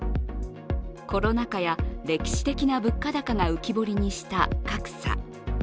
コロナ禍や歴史的な物価高が浮き彫りにした格差。